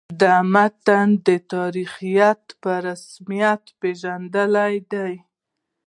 د متن د تاریخیت په رسمیت پېژندل دي.